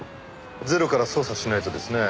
ゼロから捜査しないとですね。